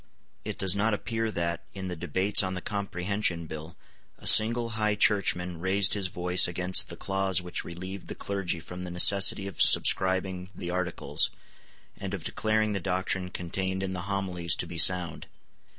It does not appear that, in the debates on the Comprehension Bill, a single High Churchman raised his voice against the clause which relieved the clergy from the necessity of subscribing the Articles, and of declaring the doctrine contained in the Homilies to be sound.